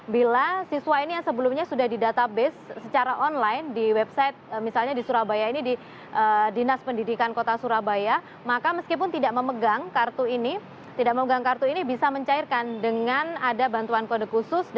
bila siswa ini yang sebelumnya sudah di database secara online di website misalnya di surabaya ini di dinas pendidikan kota surabaya maka meskipun tidak memegang kartu ini tidak memegang kartu ini bisa mencairkan dengan ada bantuan kode khusus